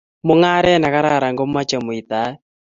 mungaret nekararan komochei muitaet